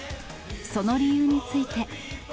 その理由について。